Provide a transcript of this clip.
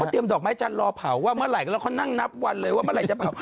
เตรียมดอกไม้จันทร์รอเผาว่าเมื่อไหร่แล้วเขานั่งนับวันเลยว่าเมื่อไหร่จะเผา